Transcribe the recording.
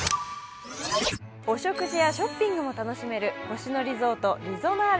お食事やショッピングも楽しめる、星野リゾートリゾナーレ